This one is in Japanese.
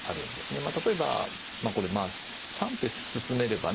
まあ例えばこれまあ３手進めればね